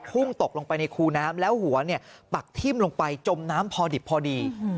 พุ่งตกลงไปในคูน้ำแล้วหัวเนี่ยปักทิ่มลงไปจมน้ำพอดิบพอดี